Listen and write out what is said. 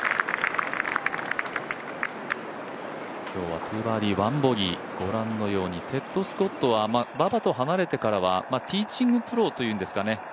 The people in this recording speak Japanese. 今日は２バーディー、１ボギーごらんのようにテッド・スコットはバッバと離れてからティーチングプロというんですかね